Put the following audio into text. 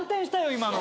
今の。